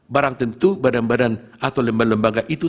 barang tentu badan badan atau lembaga lembaga itu